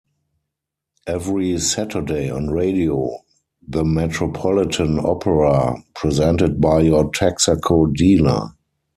Every Saturday on radio, the Metropolitan Opera, presented by your Texaco dealer.